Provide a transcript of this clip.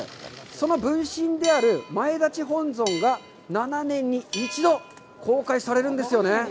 その分身である前立本尊が７年に１度公開されるんですよね。